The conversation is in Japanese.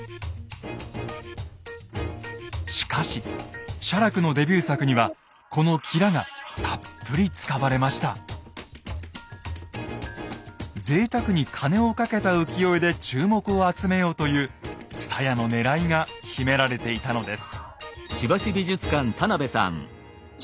しかし写楽のデビュー作にはぜいたくに金をかけた浮世絵で注目を集めようという蔦屋のねらいが秘められていたのです。